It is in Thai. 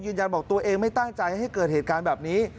ยืนยันบอกตัวเองไม่ตั้งใจให้เกิดเหตุการณ์แบบนี้